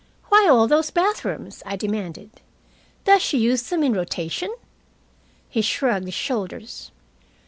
"Why all those bathrooms?" I demanded. "Does she use them in rotation?" He shrugged his shoulders.